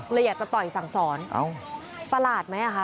เลยอยากจะต่อยสั่งสอนประหลาดไหมคะ